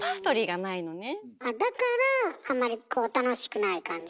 あだからあんまり楽しくない感じ？